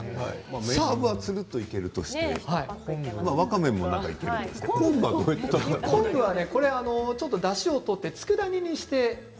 めかぶは、つるっといけるとしてわかめもいけるとして昆布は？だしを取ってつくだ煮にして。